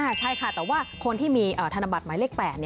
ใช่ค่ะแต่ว่าคนที่มีธนบัตรหมายเลข๘